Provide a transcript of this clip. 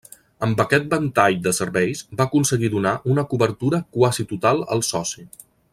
Amb aquest ventall de serveis va aconseguir donar una cobertura quasi total al soci.